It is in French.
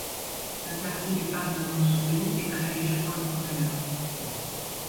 Le quartier du Parc-de-Montsouris est très riche pour le promeneur.